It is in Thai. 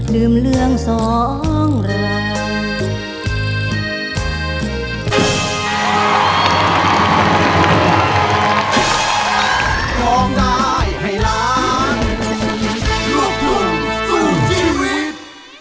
ลืมเรื่องสองราง